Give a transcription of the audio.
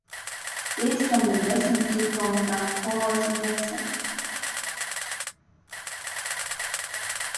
These can be listened to from the choir's web site.